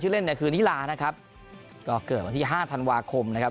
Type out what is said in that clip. เล่นเนี่ยคือนิลานะครับก็เกิดวันที่ห้าธันวาคมนะครับ